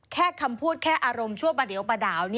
แค่คำพูดแค่อารมณ์ชั่วประเดี๋ยวประดาว